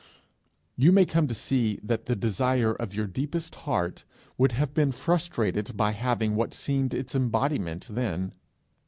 You may come to see that the desire of your deepest heart would have been frustrated by having what seemed its embodiment then.